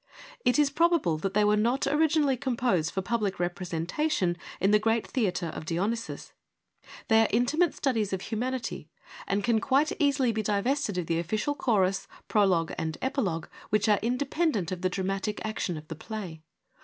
It is probable that they were not originally com posed for public representation in the great theatre of Dionysus. They are intimate studies of humanity THE FOUR FEMINIST PLAYS 115 and can quite easily be divested of the official chorus, prologue and epilogue, which are in dependent of the dramatic action of the play.